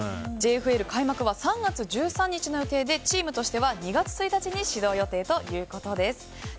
ＪＦＬ開幕は３月１４日の予定でチームとしては２月１日に始動予定ということです。